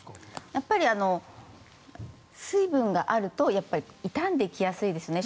やっぱり水分があると傷んできやすいですね。